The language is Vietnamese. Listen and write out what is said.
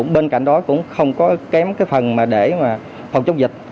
bên cạnh đó cũng không kém phần để phòng chống dịch